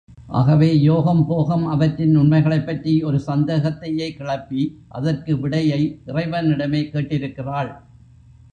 ஆகவே யோகம் போகம் அவற்றின் உண்மைகளைப்பற்றி ஒரு சந்தேகத்தையே கிளப்பி, அதற்கு விடையை இறைவனிடமே கேட்டிருக்கிறாள்.